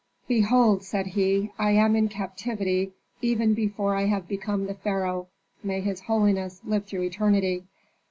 "Behold," said he, "I am in captivity even before I have become the pharaoh, may his holiness live through eternity.